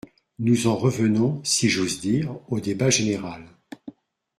Nous en revenons, si j’ose dire, au débat général.